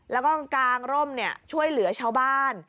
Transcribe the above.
แล้วก็กางร่มช่วยเหลือชาวบ้าน